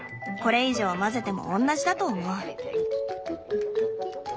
これ以上混ぜてもおんなじだと思う。